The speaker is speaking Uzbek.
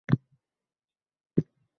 Lashkarda toqat qolmaydi.